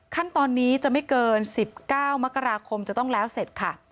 ขั้นตอนนี้จะไม่เกิน๑๙มกราคมจะต้องแล้วเสร็จค่ะ